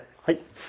はい。